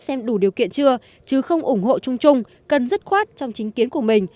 xem đủ điều kiện chưa chứ không ủng hộ chung chung cần dứt khoát trong chính kiến của mình